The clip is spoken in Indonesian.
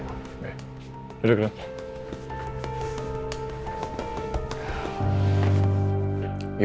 mas al pergi